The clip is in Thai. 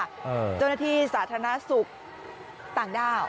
เจ้าหน้าที่สาธารณสุขต่างด้าว